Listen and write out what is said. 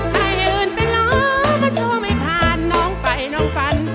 ใครอื่นเป็นล้อมาโชว์ไม่ผ่านน้องไปน้องฟัน